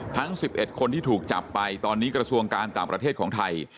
ทั้ง๑๑คนที่ถูกจับไปตอนนี้กระทรวงการต่างประเทศของไทย